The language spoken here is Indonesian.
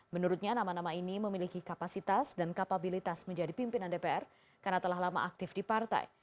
menurutnya nama nama ini memiliki kapasitas dan kapabilitas menjadi pimpinan dpr karena telah lama aktif di partai